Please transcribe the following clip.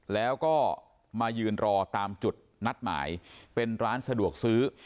แล้วก็มายืนรอตามจุดนัดหมายเป็นร้านสะดวกซื้อ